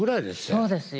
そうですよ。